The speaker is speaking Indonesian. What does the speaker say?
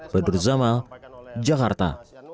berikut zama jakarta